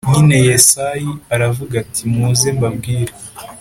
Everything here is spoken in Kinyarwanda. nyine yesayi aravuga ati muze mbabwire